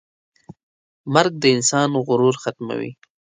مرګ د انسان غرور ختموي.